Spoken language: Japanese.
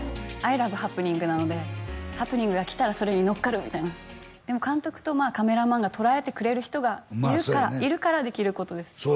アイラブハプニングなのでハプニングが来たらそれに乗っかるみたいなでも監督とカメラマンが捉えてくれる人がいるからいるからできることです